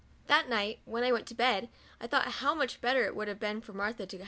That night when I went to bed, I thought how much better it would have been for Martha to COUNTRY DOLL.